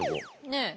ねえ。